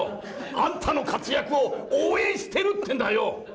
あんたの活躍を応援してるってんだよ。